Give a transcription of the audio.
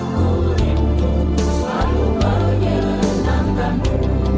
ku rindu selalu menyenangkanmu